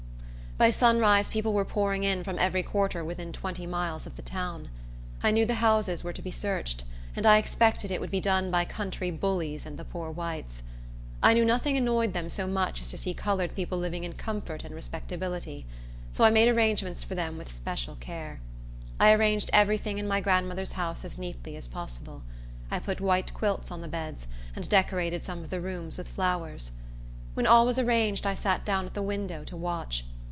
By sunrise, people were pouring in from every quarter within twenty miles of the town. I knew the houses were to be searched; and I expected it would be done by country bullies and the poor whites. I knew nothing annoyed them so much as to see colored people living in comfort and respectability; so I made arrangements for them with especial care. I arranged every thing in my grandmother's house as neatly as possible. I put white quilts on the beds, and decorated some of the rooms with flowers. When all was arranged, I sat down at the window to watch.